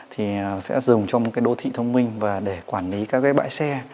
thì sẽ dùng cho một cái đô thị thông minh và để quản lý các cái bãi xe